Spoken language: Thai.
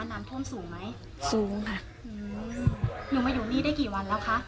น้ำท่วมสูงไหมสูงค่ะอืมหนูมาอยู่นี่ได้กี่วันแล้วคะ